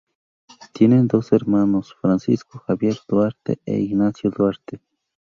Tiene dos hermanos, Francisco Javier Duarte e Ignacio Duarte.